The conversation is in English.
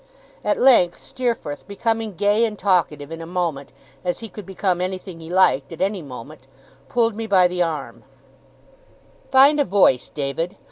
At length Steerforth, becoming gay and talkative in a moment, as he could become anything he liked at any moment, pulled me by the arm: 'Find a voice, David.